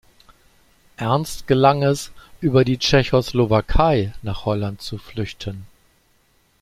Ernst gelang es, über die Tschechoslowakei nach Holland zu flüchten.